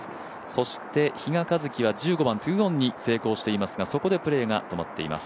そして比嘉一貴は１５番２オンに成功していますがそこでプレーが止まっています。